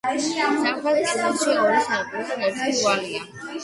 სამხრეთის კედელში ორი სარკმლიდან ერთი მრგვალია.